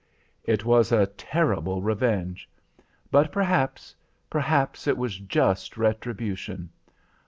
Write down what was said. "It was a terrible revenge. But perhaps perhaps it was just retribution.